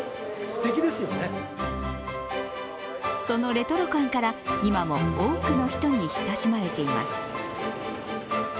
そのレトロ感から今も多くの人に親しまれています。